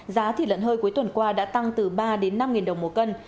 giá thịt lận hơi cuối tuần qua đã tăng từ ba năm nghìn đồng mỗi cân